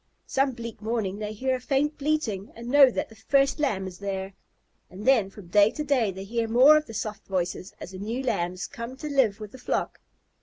Some bleak morning they hear a faint bleating and know that the first Lamb is there. And then from day to day they hear more of the soft voices as the new Lambs come to live with the flock.